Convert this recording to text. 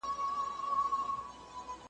دا بلا دي نن دربار ته راولمه ,